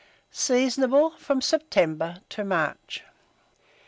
Seasonable from September to March.